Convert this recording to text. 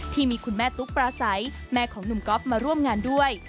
ที่มีคุณแม่ตุ๊กปราศัยแม่ของหนุ่มก๊อฟมาร่วมงานด้วย